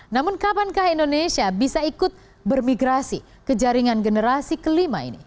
namun kapankah indonesia bisa ikut bermigrasi ke jaringan generasi kelima ini